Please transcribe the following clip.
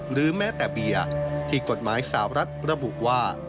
หรือแม้แต่เบียร์ที่กฎหมายสาวรัฐระบุว่า